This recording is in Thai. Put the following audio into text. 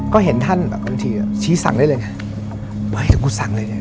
ก็เห็นท่านแบบบางทีชี้สั่งได้เลยไงเห้ยถ้ากูสั่งเลยเนี่ย